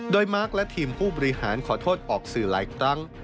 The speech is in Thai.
โดยมาร์คและทีมผู้บริหารขอโทษออกสื่อหลายครั้ง